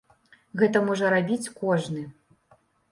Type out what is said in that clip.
Гэта можа рабіць кожны.